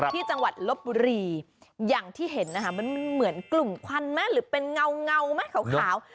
ที่จังหวัดลบบุรีอย่างที่เห็นนะคะมันเหมือนกลุ่มควันไหมหรือเป็นเงาไหมขาว